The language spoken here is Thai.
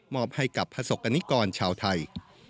มอบให้กับผสกกรณิกรชาวไทย